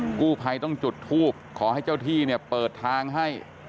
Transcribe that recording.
กู้ภัยต้องจุดทูบขอให้เจ้าที่เนี่ยเปิดทางให้